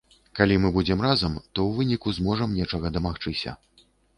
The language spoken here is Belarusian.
Калі мы будзем разам, то ў выніку зможам нечага дамагчыся.